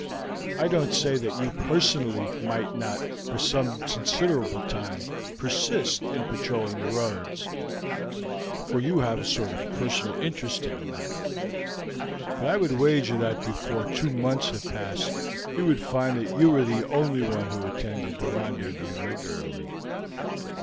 I don't say that you personally might not for some considerable time persist in patrolling the roads, for you have a sort of personal interest in the matter; but I would wager that before two months have passed you would find you were the only one who attended at the rendezvous regularly."